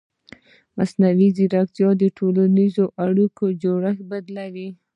مصنوعي ځیرکتیا د ټولنیزو اړیکو جوړښت بدلوي.